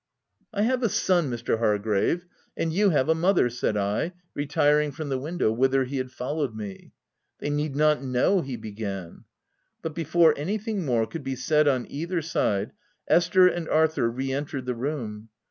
* I have a son, Mr. Hargrave, and you have a mother," said I, retiring from the window, whither he had followed me. f< They need not know," he began, but before anything more could be said on either side, Esther and Arthur re entered the room.